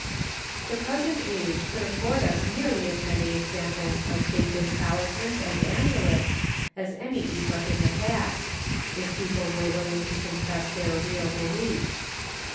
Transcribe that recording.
The present age could afford us nearly as many examples of faith in talismans and amulets as any epoch in the past, if people were willing to confess their real beliefs.